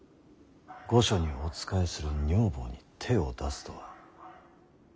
御所にお仕えする女房に手を出すとは。